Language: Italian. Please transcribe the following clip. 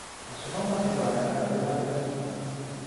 La sua tomba si trova nella cattedrale della città.